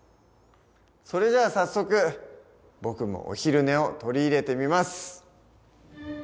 それじゃあ早速僕もお昼寝を取り入れてみます。